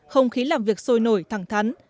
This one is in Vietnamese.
không khí làm việc sôi nổi thẳng thắn